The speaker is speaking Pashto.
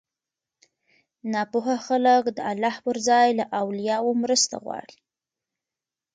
ناپوهه خلک د الله پر ځای له اولياوو مرسته غواړي